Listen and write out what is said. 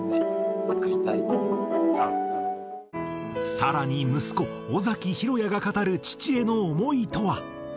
更に息子尾崎裕哉が語る父への思いとは？